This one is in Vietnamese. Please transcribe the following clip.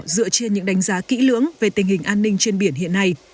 dựa trên những đánh giá kỹ lưỡng về tình hình an ninh trên biển hiện nay